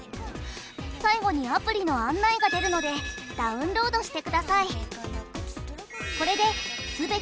最後にアプリの案内が出るのでダウンロードしてください。